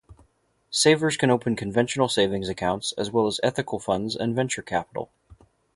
Savers can open conventional savings accounts, as well as ethical funds and venture capital.